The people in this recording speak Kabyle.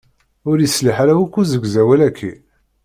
Ur yeṣliḥ ara akk usegzawal-aki.